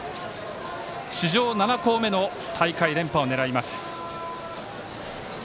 史上７校目の大会連覇を狙います。